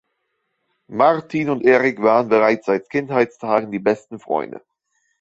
Martin und Eric waren bereits seit Kindheitstagen die besten Freunde.